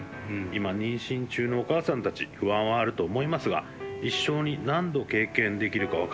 今妊娠中のお母さんたち不安はあると思いますが一生に何度経験できるか分からない出産です。